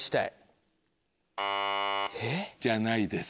じゃないです。